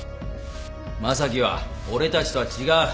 正樹は俺たちとは違う。